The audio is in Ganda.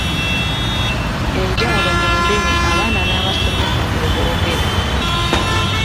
Enjawulo mu lulimi abaana n’abasomesa lwe boogera.